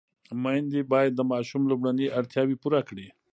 مېندې باید د ماشوم لومړني اړتیاوې پوره کړي.